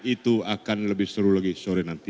itu akan lebih seru lagi sore nanti